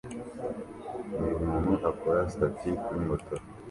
Uyu muntu akora stunt kuri moto